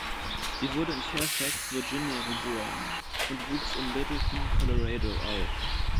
Sie wurde in Fairfax, Virginia geboren und wuchs in Littleton, Colorado auf.